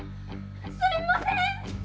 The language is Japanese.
すみません！